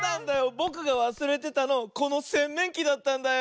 ぼくがわすれてたのこのせんめんきだったんだよ。